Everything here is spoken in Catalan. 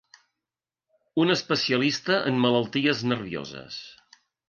Un especialista en malalties nervioses.